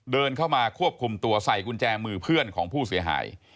เดินเข้ามาควบคุมตัวใส่กุญแจมือเพื่อนของผู้เสียหาย